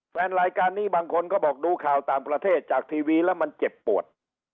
แฟนรายการนี้บางคนก็บอกดูข่าวต่างประเทศจากทีวีแล้วมันเจ็บปวด